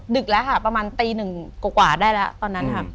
ดึกแล้วค่ะประมาณตีหนึ่งกว่าได้แล้วตอนนั้นค่ะ